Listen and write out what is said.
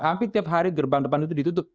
hampir tiap hari gerbang depan itu ditutup